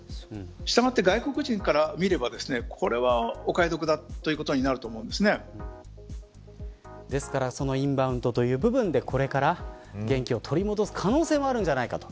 したがって、外国人から見ればこれはお買い得だですからインバウンドという部分でこれから元気を取り戻す可能性はあるんじゃないかと。